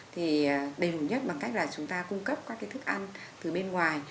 thì đầy đủ nhất bằng cách là chúng ta cung cấp các cái thức ăn từ bên ngoài